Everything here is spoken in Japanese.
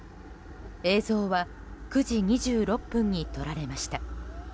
映像は９時２６分に撮られました。